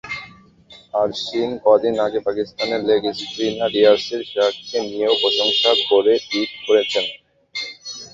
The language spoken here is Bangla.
অশ্বিন কদিন আগে পাকিস্তানের লেগ স্পিনার ইয়াসির শাহকে নিয়েও প্রশংসা করে টুইট করেছেন।